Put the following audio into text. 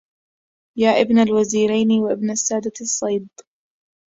يا ابن الوزيرين وابن السادة الصيد